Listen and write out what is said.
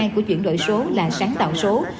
của chuyển đổi số là sáng tạo số